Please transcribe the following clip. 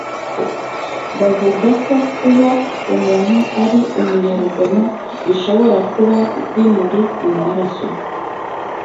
bavuga ko kuba umuntu ari umunyarugomo bishobora kuba bimuri mu maraso